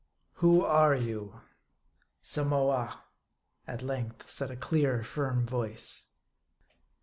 " Who are you ?"" Samoa," at length said a clear, firm voice.